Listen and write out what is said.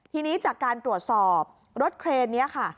ทีนี้จากการตรวจสอบรถเครนนี้ค่ะ